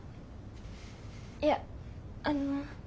いやあの。